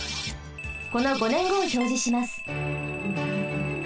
この５ねんごをひょうじします。